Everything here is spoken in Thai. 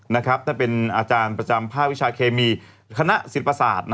นั่นเป็นอาจารย์ประจำภาควิชาเคมีคณะศิษศาสตร์